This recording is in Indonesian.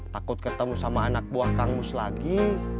takut ketemu sama anak buah kangmus lagi